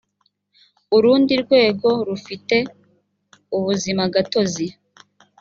urundi rwego rufite ubuzimagatozi